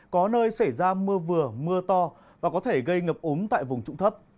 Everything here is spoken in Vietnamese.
có nơi xảy ra mưa vừa mưa to và có thể gây ngập úng tại vùng trụng thấp